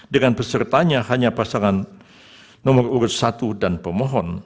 dengan pesertanya hanya pasangan nomor urut satu dan pemohon